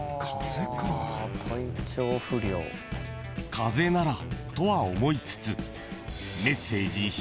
［「風邪なら」とは思いつつ］